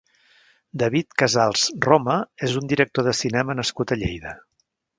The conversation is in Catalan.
David Casals-Roma és un director de cinema nascut a Lleida.